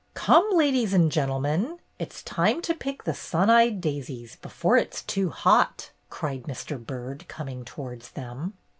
"Come, ladies and gentlemen, it's time to pick the 'sun eyed daisies' before it 's too hot!" cried Mr. Byrd, coming towards them.